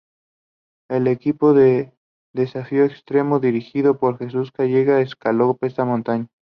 El equipo de "Desafío extremo", dirigido por Jesús Calleja, escaló esta montaña.